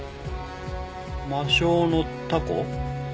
魔性のタコ？